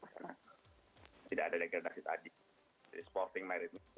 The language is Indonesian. karena tidak ada degradasi tadi jadi sporting merit gitu